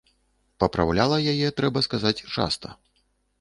Папраўляла яе, трэба сказаць, часта.